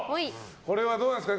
これはどうなんですか